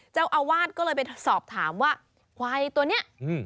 เจ้าอาวาสก็เลยไปสอบถามว่าควายตัวเนี้ยอืม